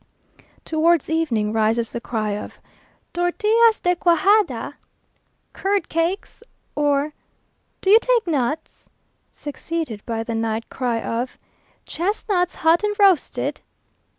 Towards evening rises the cry of "Tortillas de cuajada?" "Curd cakes?" or, "Do you take nuts?" succeeded by the night cry of "Chestnuts hot and roasted!"